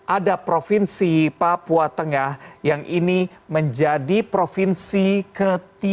ada provinsi papua tengah yang ini menjadi provinsi ke tiga